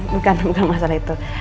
bukan bukan masalah itu